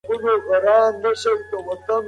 پرمختيا تعريف سوې ده.